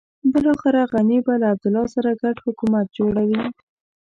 بلاخره غني به له عبدالله سره ګډ حکومت جوړوي.